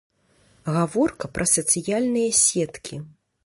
Гаворка пра сацыяльныя сеткі.